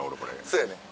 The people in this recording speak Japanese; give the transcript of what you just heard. そうやねん。